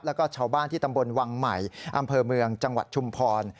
แล้วก็ชาวบ้านที่ตำบลวังใหม่อำเภอเมืองจังหวัดชุมพร